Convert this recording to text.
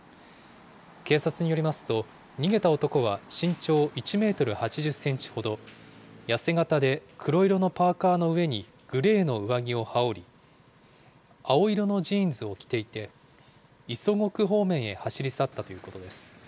警察によりますと、逃げた男は身長１メートル８０センチほど、痩せ型で黒色のパーカーの上にグレーの上着を羽織り、青色のジーンズを着ていて、磯子区方面へ走り去ったということです。